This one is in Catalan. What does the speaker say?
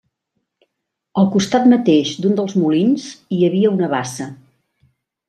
Al costat mateix d'un dels molins hi havia una bassa.